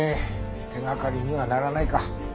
手掛かりにはならないか。